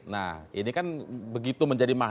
nah ini kan begitu menjadi masalah